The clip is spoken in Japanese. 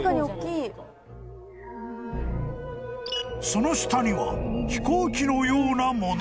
［その下には飛行機のようなもの］